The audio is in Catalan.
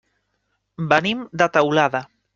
Venim de Teulada.